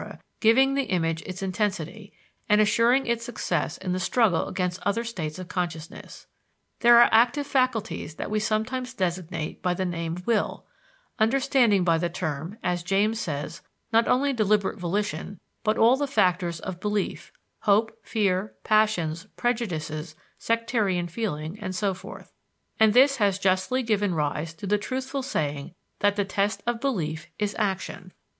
giving the image its intensity, and assuring it success in the struggle against other states of consciousness. There are active faculties that we sometimes designate by the name "will," understanding by the term, as James says, not only deliberate volition, but all the factors of belief (hope, fear, passions, prejudices, sectarian feeling, and so forth), and this has justly given rise to the truthful saying that the test of belief is action.